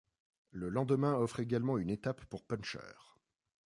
Le lendemain offre également une étape pour puncheur.